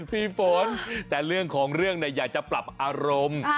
พี่ฝนแต่เรื่องของเรื่องอยากจะปรับอารมณ์